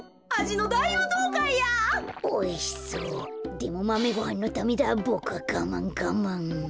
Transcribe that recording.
でもマメごはんのためだボクはがまんがまん。